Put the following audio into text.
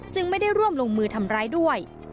ไม่ได้ร่วมลงมือทำร้ายด้วย